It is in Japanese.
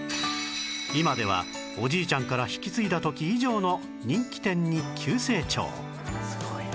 今ではおじいちゃんから引き継いだ時以上の人気店に急成長